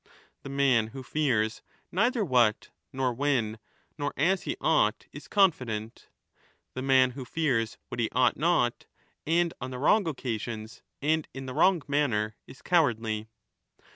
The man who fears neither what, nor when, nor as he ought is confident ; the man who fears what he ought not, and on the wrong occasions, and in the wrong manner is cowardly.